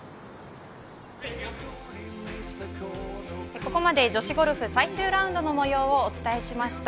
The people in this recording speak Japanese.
ここまで女子ゴルフ最終ラウンドの模様をお伝えしました。